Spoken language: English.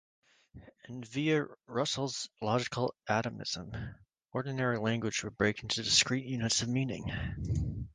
And via Russell's logical atomism, ordinary language would break into discrete units of meaning.